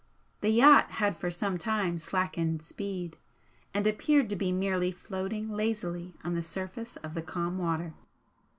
The yacht had for some time slackened speed, and appeared to be merely floating lazily on the surface of the calm water.